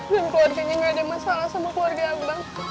dan keluarganya gak ada masalah sama keluarga abang